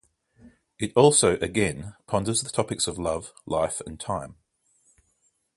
It also, again, ponders the topics of love, life, and time.